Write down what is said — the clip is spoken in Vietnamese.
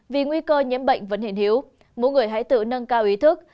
vì nguy cơ nhiễm bệnh vẫn hiện hiếu mỗi người hãy tự nâng cao ý thức